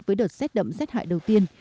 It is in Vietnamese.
với đợt rét đậm rét hại đầu tiên